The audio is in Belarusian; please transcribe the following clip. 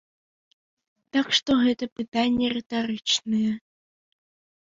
Так што гэта пытанні рытарычныя.